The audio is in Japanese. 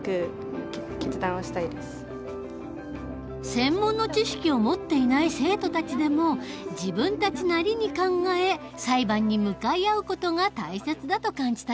専門の知識を持っていない生徒たちでも自分たちなりに考え裁判に向かい合う事が大切だと感じたようだ。